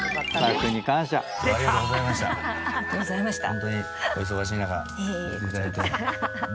「ホントにお忙しい中出ていただいて」